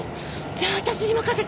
じゃあ私に任せて！